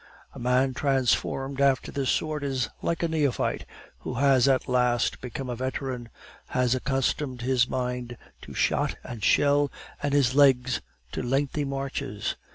"A man transformed after this sort is like a neophyte who has at last become a veteran, has accustomed his mind to shot and shell and his legs to lengthy marches.